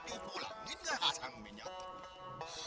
dipulangin lah kasang minyak